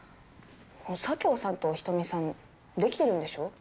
佐京さんと人見さんデキてるんでしょ？